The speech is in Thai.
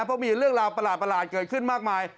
เพราะมีเรื่องราวประหลาดเกิดขึ้นมากมาย